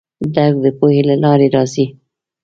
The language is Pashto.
درک د پوهې له لارې راځي.